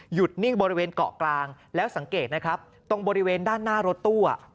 นิ่งบริเวณเกาะกลางแล้วสังเกตนะครับตรงบริเวณด้านหน้ารถตู้